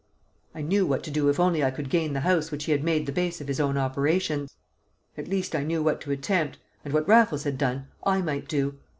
I knew what to do if only I could gain the house which he had made the base of his own operations; at least I knew what to attempt, and what Raffles had done I might do.